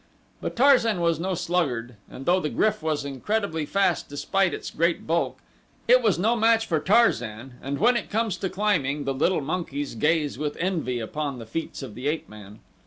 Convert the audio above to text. But Tarzan was no sluggard and though the GRYF was incredibly fast despite its great bulk, it was no match for Tarzan, and when it comes to climbing, the little monkeys gaze with envy upon the feats of the ape man.